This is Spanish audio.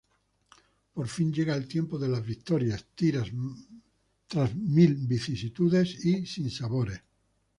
Por fin llega el tiempo de las victorias, tras mil vicisitudes y sinsabores.